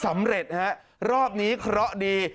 สำเร็จฮะรอบนี้เคราะห์ดี